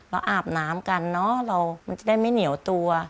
อาบน้ำกันเนอะมันจะได้ไม่เหนียวตัว